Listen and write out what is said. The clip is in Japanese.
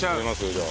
じゃあ。